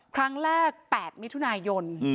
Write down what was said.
ครั้งแรก๘มิถุนายน